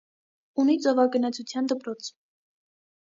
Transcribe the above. Ունի ծովագնացության դպրոց։